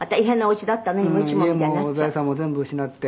「家も財産も全部失って」